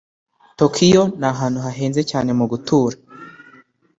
Tokiyo ni ahantu hahenze cyane gutura.